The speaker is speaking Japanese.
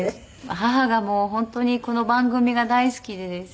母がもう本当にこの番組が大好きでですね。